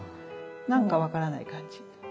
何か分からない感じ。